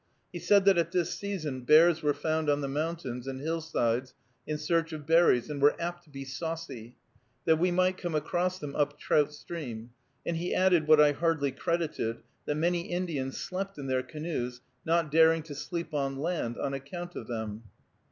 He said that at this season bears were found on the mountains and hillsides in search of berries, and were apt to be saucy, that we might come across them up Trout Stream; and he added, what I hardly credited, that many Indians slept in their canoes, not daring to sleep on land, on account of them.